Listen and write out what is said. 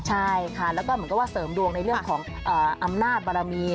ใช่ค่ะแล้วก็เหมือนกับว่าเสริมดวงในเรื่องของอำนาจบารมี